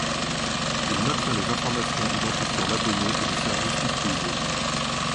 Il maintient les informations identifiant l'abonné et les services utilisés.